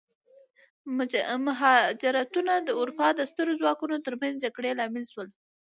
مهاجرتونه د اروپا د سترو ځواکونو ترمنځ جګړې لامل شول.